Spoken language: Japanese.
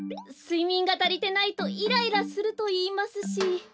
すいみんがたりてないとイライラするといいますし。